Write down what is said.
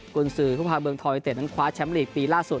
กุญสือคุมภาคเมืองทรวยเตศนั้นคว้าแชมป์ลีกปีล่าสุด